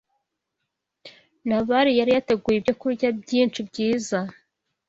Nabali yari yateguye ibyokurya byinshi byiza.